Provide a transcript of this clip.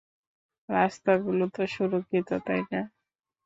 রাস্তাগুলো তো সুরক্ষিত, তাই না?